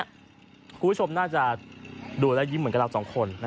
คุณผู้ชมน่าจะดูแล้วยิ้มเหมือนกับเราสองคน